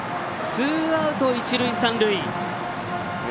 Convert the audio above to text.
ツーアウト、一塁三塁。